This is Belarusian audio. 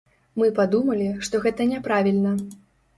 Мы падумалі, што гэта няправільна.